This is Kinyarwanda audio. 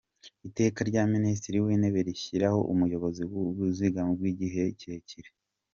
Iteka rya Minisitiri w’Intebe rishyiraho Umuyobozi w’Ubwizigame bw’igihe kirekire;